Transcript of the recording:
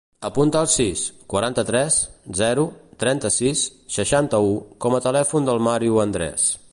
Apunta el sis, quaranta-tres, zero, trenta-sis, seixanta-u com a telèfon del Mario Andres.